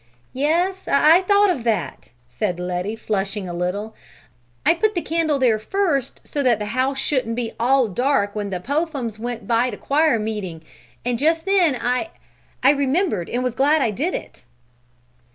"Yes, I thought of that," said Letty, flushing a little. "I put the candle there first so that the house shouldn't be all dark when the Pophams went by to choir meeting, and just then I I remembered, and was glad I did it!"